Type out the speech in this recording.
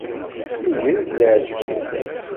Iger-d leεǧeb fell-i.